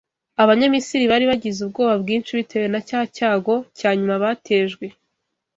Abanyamisiri bari bagize ubwoba bwinshi bitewe na cya cyago cya nyuma batejwe.